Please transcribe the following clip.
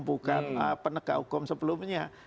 bukan penegak hukum sebelumnya